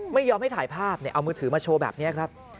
ไม่ยอมให้ถ่ายภาพเอามือถือมาโชว์แบบนี้ครับ